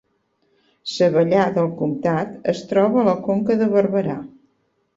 Savallà del Comtat es troba a la Conca de Barberà